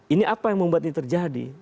ini apa yang membuat ini terjadi